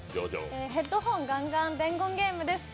「ヘッドホンガンガン伝言ゲーム」です！